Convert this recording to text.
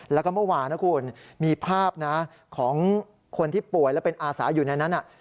แล้วก็เมื่อวานนะคุณมีภาพนะของคนที่ป่วยและเป็นอาสาอยู่ในนั้น